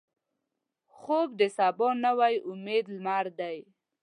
خوب د سبا نوې امیدي لمر دی